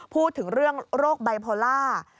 พูดถึงเรื่องโรคไบโพล่า